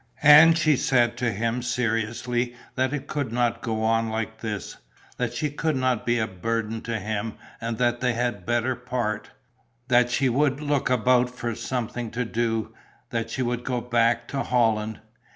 And she said to him seriously that it could not go on like this, that she could not be a burden to him and that they had better part; that she would look about for something to do, that she would go back to Holland.